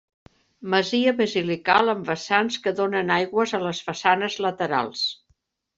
Masia basilical amb vessants que donen aigües a les façanes laterals.